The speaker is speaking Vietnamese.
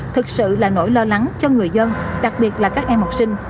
thực sự là nỗi lo lắng cho người dân đặc biệt là các em học sinh